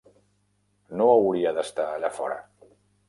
No hauria d'estar allà fora.